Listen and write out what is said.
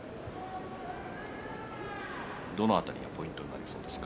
どの辺りがポイントになりそうですか？